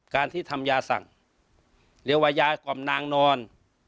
การที่ทำยาสั่งเรียกว่ายากล่อมนางนอน